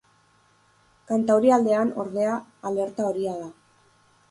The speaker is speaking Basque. Kantaurialdean, ordea, alerta horia da.